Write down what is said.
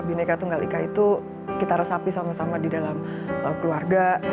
bineka tunggal ika itu kita resapi sama sama di dalam keluarga